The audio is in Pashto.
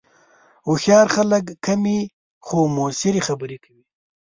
هوښیار خلک کمې، خو مؤثرې خبرې کوي